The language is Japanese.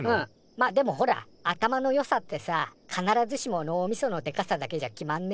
まあでもほら頭の良さってさ必ずしも脳みそのでかさだけじゃ決まんね